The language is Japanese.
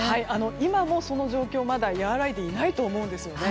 今もその状況がまだやわらないでいないと思うんですね。